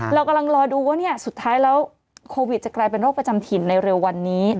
เรากำลังรอดูว่าสุดท้ายแล้วโควิดจะกลายเป็นโรคประจำถิ่นในเร็ววันนี้